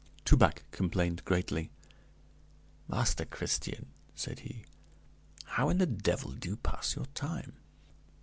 Toubac complained greatly. "Master Christian," said he, "how in the devil do you pass your time?